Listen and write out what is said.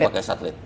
pakai satelit ya